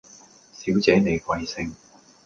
小姐你貴姓